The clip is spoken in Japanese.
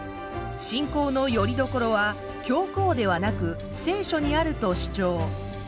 信仰のよりどころは教皇ではなく聖書にあると主張。